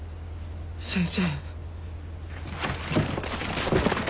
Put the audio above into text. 先生。